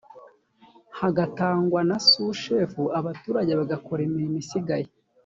hagatangwa na sushefu abaturage bagakora imirimo isigaye